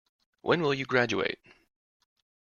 When will you graduate?